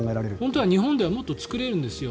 本当は日本だったらもっと作れるんですよ。